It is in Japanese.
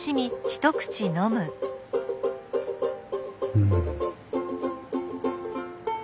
うん。